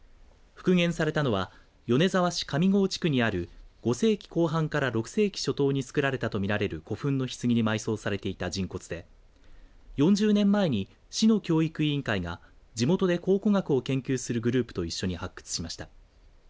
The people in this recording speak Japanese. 復元されたのは米沢市上郷地区にある５世紀後半から６世紀初頭に作られたと見られる古墳のひつぎに埋葬されていた人骨で４０年前に市の教育委員会が地元で考古学を研究するグループと一緒に発掘しました。